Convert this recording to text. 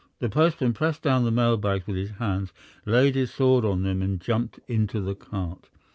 The postman pressed down the mail bags with his hands, laid his sword on them and jumped into the cart.